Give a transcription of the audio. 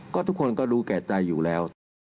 ก็ทุกคนก็รู้แก่ใจอยู่แล้ว